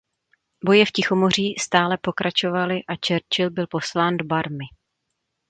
Boje v Tichomoří stále pokračovaly a Churchill byl poslán do Barmy.